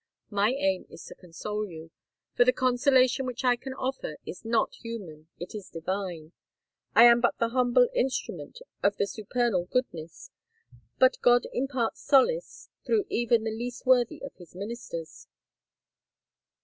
My aim is to console you; for the consolation which I can offer is not human—it is divine! I am but the humble instrument of the supernal Goodness; but God imparts solace through even the least worthy of his ministers."